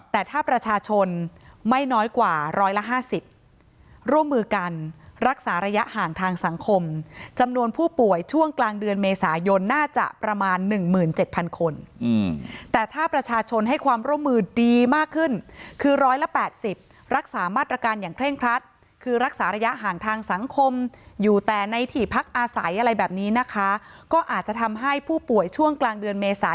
แต่ถ้าประชาชนไม่น้อยกว่า๑๕๐ร่วมมือกันรักษาระยะห่างทางสังคมจำนวนผู้ป่วยช่วงกลางเดือนเมษายนน่าจะประมาณ๑๗๐๐คนแต่ถ้าประชาชนให้ความร่วมมือดีมากขึ้นคือ๑๘๐รักษามาตรการอย่างเคร่งครัดคือรักษาระยะห่างทางสังคมอยู่แต่ในที่พักอาศัยอะไรแบบนี้นะคะก็อาจจะทำให้ผู้ป่วยช่วงกลางเดือนเมษา